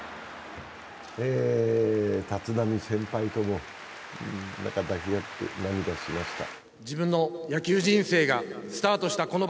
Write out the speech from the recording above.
立浪先輩とも抱き合って涙しました。